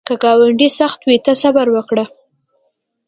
که ګاونډی سخت وي، ته صبر وکړه